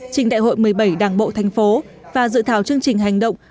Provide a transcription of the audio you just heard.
trình đại hội một mươi bảy đảng bộ thành phố và dự thảo chương trình hành động